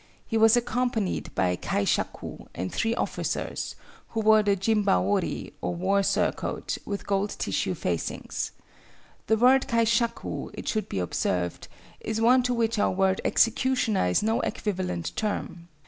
He was accompanied by a kaishaku and three officers, who wore the jimbaori or war surcoat with gold tissue facings. The word kaishaku it should be observed, is one to which our word executioner is no equivalent term.